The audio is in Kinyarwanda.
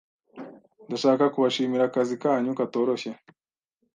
Ndashaka kubashimira akazi kanyu katoroshye.